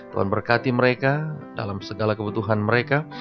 tuan berkati mereka dalam segala kebutuhan mereka